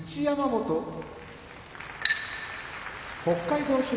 山本北海道